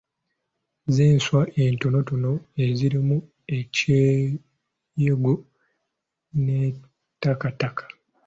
Z'enswa entonotono ezirimu enkuyege n'ettakataka.